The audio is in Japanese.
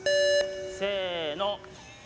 せの。